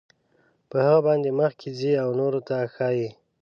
په هغه باندې مخکې ځي او نورو ته ښایي.